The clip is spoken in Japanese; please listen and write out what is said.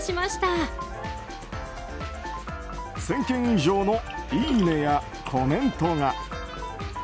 １０００件以上の「いいね！」やコメントが。